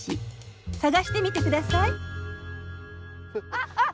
あっあっ！